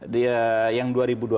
dia yang dua ribu dua puluh